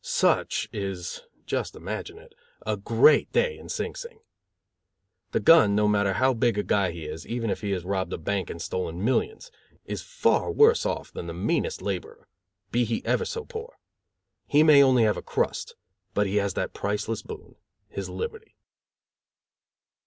Such is just imagine it a great day in Sing Sing! The gun, no matter how big a guy he is, even if he has robbed a bank and stolen millions, is far worse off than the meanest laborer, be he ever so poor. He may have only a crust, but he has that priceless boon, his liberty.